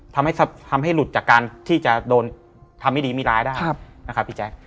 ทำให้หลุดจากการที่จะโดนทำไม่ดีมีร้ายได้นะครับพี่แจ๊ก